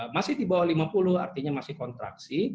masih di bawah lima puluh artinya masih kontraksi